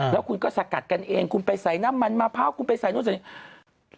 แล้วคุณก็สกัดกันเองคุณไปใส่น้ำมันมะพร้าวคุณไปใส่นู่นใส่นี่